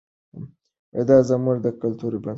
دا زموږ د کلتور بنسټ دی.